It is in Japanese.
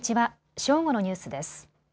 正午のニュースです。